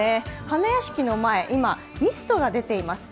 花やしきの前、今、ミストが出ています。